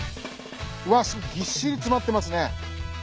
わっすごいぎっしり詰まってますね。